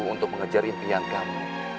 untuk mengejar impian kamu